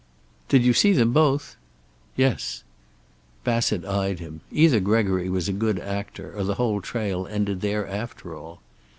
"Did you see them both?" "Yes." Bassett eyed him. Either Gregory was a good actor, or the whole trail ended there after all.